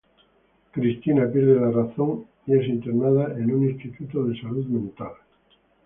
Cristina pierde la razón y es internada en un instituto de salud mental.